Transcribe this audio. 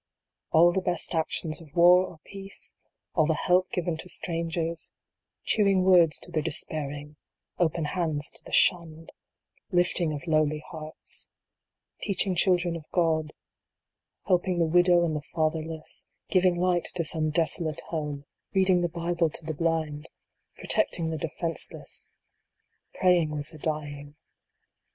All the best actions of war or peace All the help given to strangers Cheering words to the despairing Open hands to the shunned Lifting of lowly hearts Teaching children of God Helping the widow and the fatherless Giving light to some desolate home Reading the Bible to the blind Protecting the defenceless Praying with the dying.